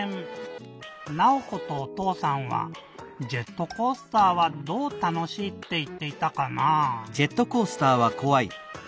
ナオコとおとうさんはジェットコースターはどうたのしいっていっていたかなぁ？